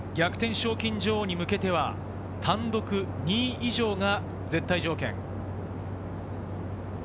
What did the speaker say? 賞金女王に向けては、単独２位以上が絶対条件。